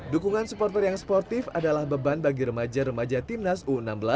dukungan supporter yang sportif adalah beban bagi remaja remaja timnas u enam belas